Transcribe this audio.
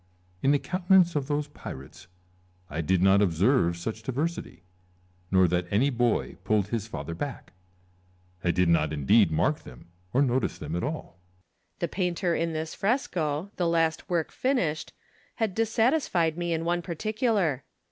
In the countcuancc of those pirates 1 did not observe such LUCULLUS AND CMSAR. z^^ diversity, nor that any boy pulled bis father back : I did not indeed maz k them or notice them at all. Liocullus. The painter in this fresco, the last work finished, had dissatisfied me in one particular.